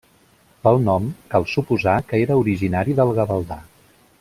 Pel nom, cal suposar que era originari del Gavaldà.